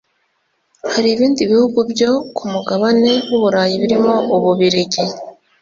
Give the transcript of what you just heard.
Hari ibindi bihugu byo ku mugabane w’u Burayi birimo u Bubiligi